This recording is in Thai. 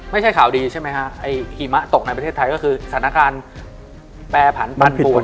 ไม่ใช่ข่าวดีใช่ไหมฮะไอ้หิมะตกในประเทศไทยก็คือสถานการณ์แปรผันปันปวน